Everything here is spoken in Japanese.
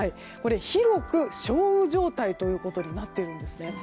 広く少雨状態ということになっているんです。